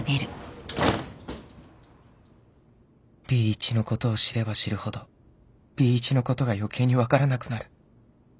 ［Ｂ一のことを知れば知るほどＢ一のことが余計に分からなくなる］